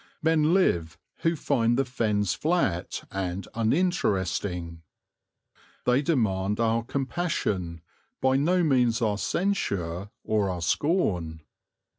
Men live who find the Fens flat and uninteresting. They demand our compassion, by no means our censure or our scorn.